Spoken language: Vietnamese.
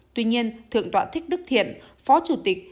tuy nhiên thượng tọa thích đức thiện phó chủ tịch